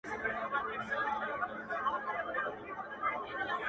چي بې عزتو را سرتوري کړلې-